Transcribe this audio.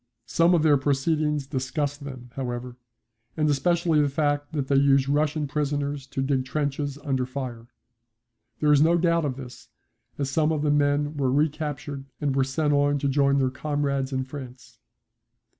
Some of their proceedings disgust them however, and especially the fact that they use Russian prisoners to dig trenches under fire. There is no doubt of this, as some of the men were recaptured and were sent on to join their comrades in France.